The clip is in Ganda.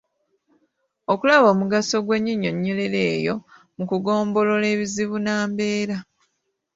Okulaba omugaso gw’ennyinyonnyloero eyo mu kugombolola ebizibu nnambeera.